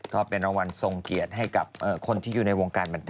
ก็เป็นรางวัลทรงเกียรติให้กับคนที่อยู่ในวงการบันเท